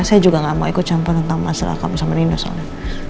saya juga gak mau ikut campur tentang masalah kamu sama nindya soalnya